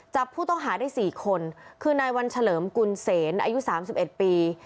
จับผู้ต้องหาได้๔คนคือนายวันเฉลิมกุลเซนอายุ๓๑ปี